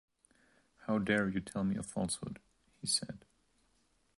‘How dare you tell me a falsehood?’ he said.